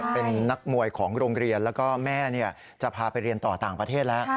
เป็นนักมวยของโรงเรียนแล้วก็แม่จะพาไปเรียนต่อต่างประเทศแล้ว